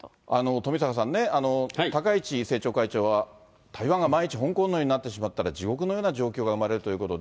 富坂さんね、高市政調会長は、台湾が万一香港のような状況になってしまったら、地獄のような状況が生まれるということで、